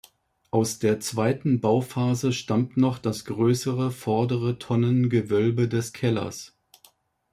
Aus der zweiten Bauphase stammt noch das größere, vordere Tonnengewölbe des Kellers.